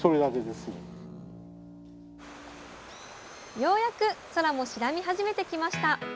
ようやく空も白み始めてきました。